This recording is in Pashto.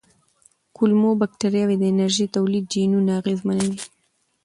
کولمو بکتریاوې د انرژۍ تولید جینونه اغېزمنوي.